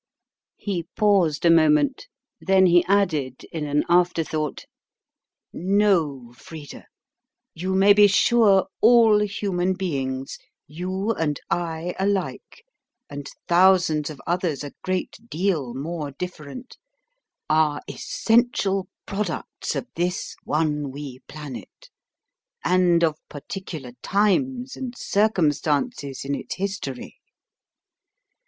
He paused a moment; then he added in an afterthought: "No, Frida; you may be sure all human beings, you and I alike, and thousands of others a great deal more different, are essential products of this one wee planet, and of particular times and circumstances in its history.